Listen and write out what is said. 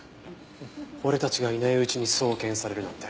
俺たちがいないうちに送検されるなんて。